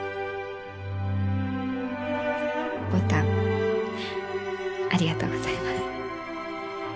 牡丹ありがとうございます。